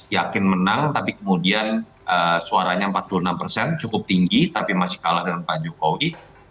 yakin menang tapi kemudian suaranya empat puluh enam persen cukup tinggi tapi masih kalah dengan pak jokowi